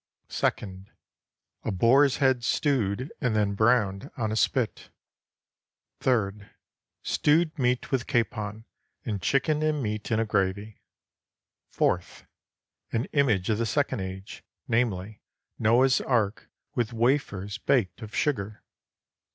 Second A boar's head stewed and then browned on a spit. Third Stewed meat with capon, and chicken and meat in a gravy. Fourth An image of the second age, namely, Noah's Ark with wafers baked of sugar.